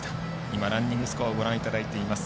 今、ランニングスコアをご覧いただいています。